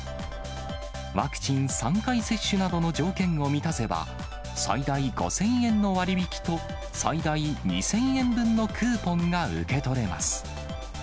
ワクチン３回接種などの条件を満たせば、最大５０００円の割引と、最大２０００円分のクーポンが受け取れます。